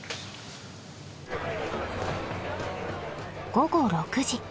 午後６時。